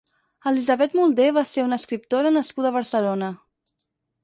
Elisabeth Mulder va ser una escriptora nascuda a Barcelona.